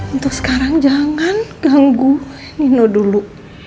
untuk sekarang jangan ganggu nino dulu